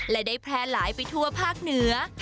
และได้แพร่หลายไปทั่วภาคเหนือ